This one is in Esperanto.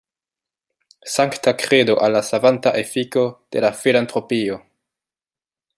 Sankta kredo al la savanta efiko de la filantropio!